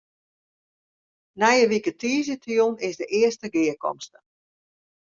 Nije wike tiisdeitejûn is de earste gearkomste.